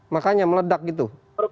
makanya meledak gitu